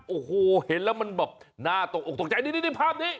โอ้โหเห็นแล้วมันแบบน่าตกออกตกใจนี่ภาพนี้